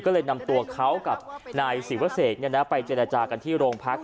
ก็เลยนำตัวเขากับนายศรีวะเสกเนี่ยนะไปเจรจากันที่โรงพักษณ์